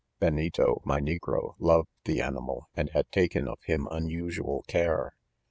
"Benito, my negro, loved the animal, and had taken of him unusual care.